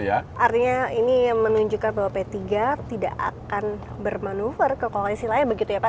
artinya ini menunjukkan bahwa p tiga tidak akan bermanuver ke koalisi lain begitu ya pak